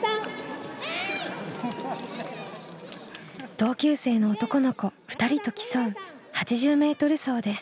同級生の男の子２人と競う８０ｍ走です。